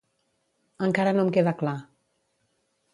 Encara no em queda clar.